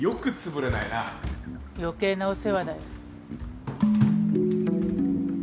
余計なお世話だよ。